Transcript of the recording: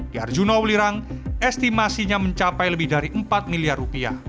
di arjuna ulirang estimasinya mencapai lebih dari rp empat miliar rupiah